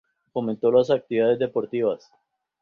Fomentó las actividades deportivas.